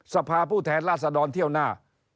สภาพูดแทนล่าสะดอนเที่ยวหน้า